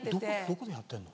どこでやってんの？